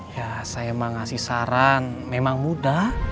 ya saya emang ngasih saran memang mudah